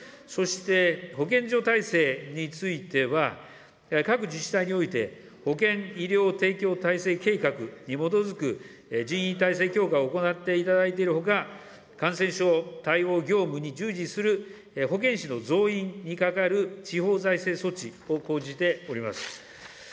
そして、保健所体制については、各自治体において、保健医療提供体制計画に基づく人員体制強化を行っていただいているほか、感染症対応業務に従事する保健師の増員にかかる地方財政措置を講じております。